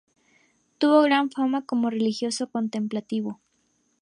Tuvo gran fama como religioso contemplativo.